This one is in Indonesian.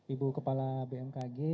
ibu kepala bmkg